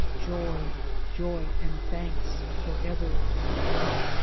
Joy, joy and thanks for ever.